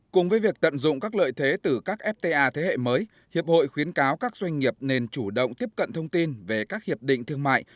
cùng với việc tận dụng các lợi thế từ các fta thế hệ mới hiệp hội khuyến cáo các doanh nghiệp nên chủ động tiếp cận thông tin về các hiệp định thương mại